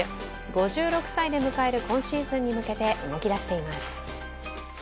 ５６歳で迎える今シーズンに向けて動き出しています。